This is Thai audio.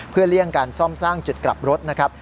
เพื่อเลี่ยงการซ่อมสร้างจุดกลับรถนะครับ